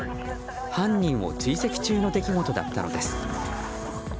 犯人を追跡中の出来事だったのです。